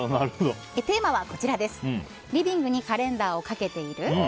テーマはリビングにカレンダーを掛けている？